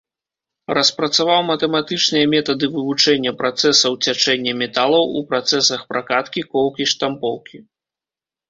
Распрацаваў матэматычныя метады вывучэння працэсаў цячэння металаў у працэсах пракаткі, коўкі, штампоўкі.